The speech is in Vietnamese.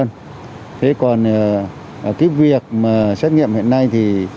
thế còn cái việc mà xét nghiệm hiện nay thì